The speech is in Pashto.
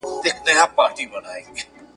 نه په یوې نه غوبل کي سرګردان وو ..